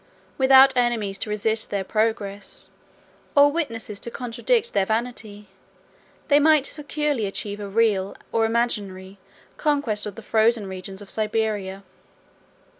Without enemies to resist their progress, or witnesses to contradict their vanity, they might securely achieve a real, or imaginary, conquest of the frozen regions of Siberia.